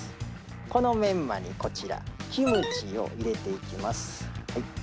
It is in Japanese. このメンマにこちらキムチを入れていきます。